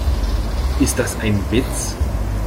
Ist das ein Witz?